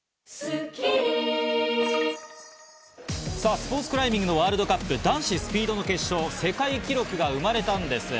スポーツクライミングのワールドカップ男子スピード決勝、世界記録が生まれたんです。